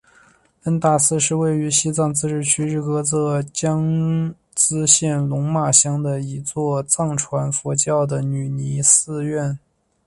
恩达寺是位于西藏自治区日喀则市江孜县龙马乡的一座藏传佛教的女尼寺院。